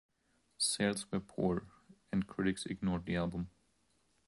Sales were poor, and critics ignored the album.